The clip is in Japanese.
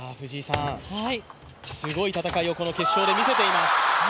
すごい戦いをこの決勝で見せています。